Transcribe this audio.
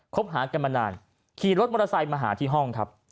หากันมานานขี่รถมอเตอร์ไซค์มาหาที่ห้องครับ